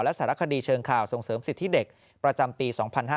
และสารคดีเชิงข่าวส่งเสริมสิทธิเด็กประจำปี๒๕๕๙